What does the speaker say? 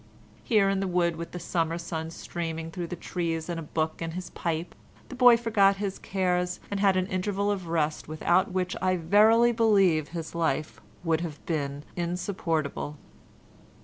Here in the wood with the summer sun streaming through the trees and a book and his pipe the boy forgot his cares and had an interval of that rest without which I verily believe his life would have been insupportable.